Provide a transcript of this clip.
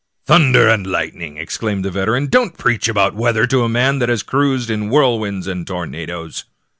*' Thunder and lightning! " exclaimed the veteran ;" don't preach about weather to a man that has cruised in whirl winds and tornadoes."